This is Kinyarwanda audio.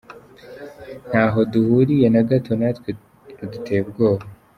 Ntaho duhuriye na gato natwe ruduteye ubwoba!